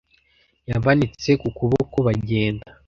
Yamanitse ku kuboko bagenda.